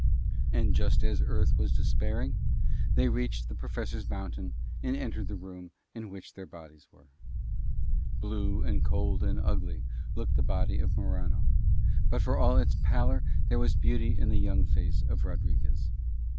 And just as Earth was despairing they reached the Professor's mountain and entered the room in which their bodies were. Blue and cold and ugly looked the body of Morano, but for all its pallor there was beauty in the young face of Rodriguez.